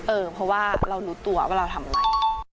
เออเพราะว่าเรารู้ตัวว่าเราทำอะไร